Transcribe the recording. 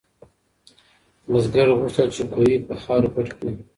بزګر غوښتل چې کوهی په خاورو پټ کړي.